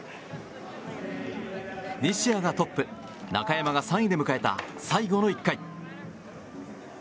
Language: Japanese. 西矢がトップ、中山が３位で迎えた最後の１回。